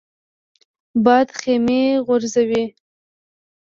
باد خیمې غورځوي